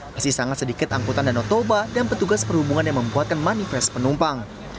masih sangat sedikit angkutan danau toba dan petugas perhubungan yang membuatkan manifest penumpang